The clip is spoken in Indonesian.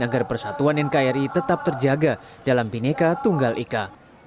agar persatuan nkri tetap terjaga dalam bineka tunggal ika